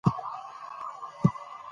څېړونکي د لابراتوار موږکان مطالعه کوي.